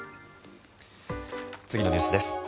次のニュースです。